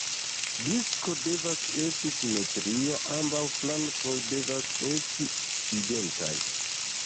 Disko devas esti simetria; ambaŭ flankoj devas esti identaj.